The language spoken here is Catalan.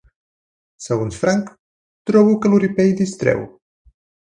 Segons Frank, trobo que l'oripell distreu.